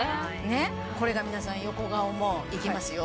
これが皆さん横顔もいきますよ